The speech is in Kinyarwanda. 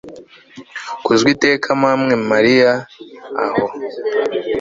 kuzwa iteka mamwe mariya, aho